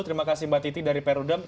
terima kasih mbak titi dari perudam